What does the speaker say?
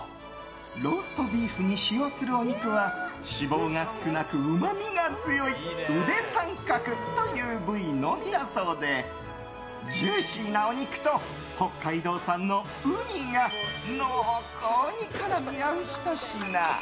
ローストビーフに使用するお肉は脂肪が少なくうまみが強いうで三角という部位のみだそうでジューシーなお肉と北海道産のウニが濃厚に絡み合うひと品。